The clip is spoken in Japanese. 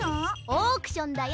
オークションだよ。